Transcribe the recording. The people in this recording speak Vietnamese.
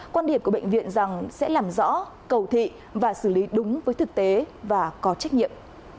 quan điểm của bệnh viện rằng sẽ làm rõ cầu thị và xử lý đúng với thực tế và có trách nhiệm